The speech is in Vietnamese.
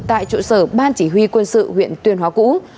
tại trụ sở ban chỉ huy quân sự huyện tuyên hóa cũ